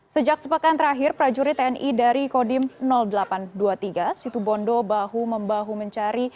sejak sepekan terakhir prajurit tni dari kodim delapan ratus dua puluh tiga situ bondo bahu membahu mencari